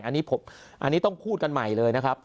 อันนี้ต้องพูดกันใหม่เลยนะครับ